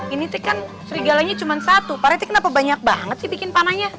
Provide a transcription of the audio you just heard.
ini kan serigalanya cuma satu paretik kenapa banyak banget sih bikin panahnya